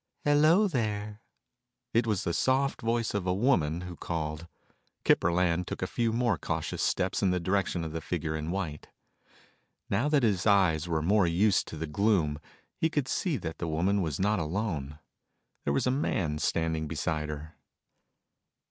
"Hello there." It was the soft voice of a woman who called. Kip Burland took a few more cautious steps in the direction of the figure in white. Now that his eyes were more used to the gloom, he could see that the woman was not alone. There was a man standing beside her.